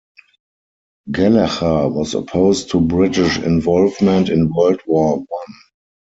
Gallacher was opposed to British involvement in World War One.